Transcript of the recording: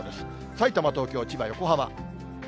さいたま、東京、千葉、横浜。